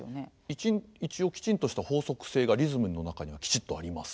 一応きちんとした法則性がリズムの中にはきちっとあります。